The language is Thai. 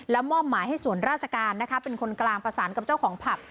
มอบหมายให้ส่วนราชการนะคะเป็นคนกลางประสานกับเจ้าของผับ